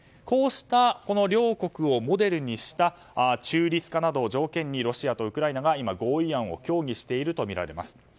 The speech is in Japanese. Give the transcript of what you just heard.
こうした両国をモデルにした中立化などを条件にロシアとウクライナが今、合意案を協議しているとみられます。